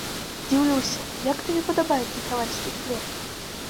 Дзіўлюся, як табе падабаецца кавальскі хлеб?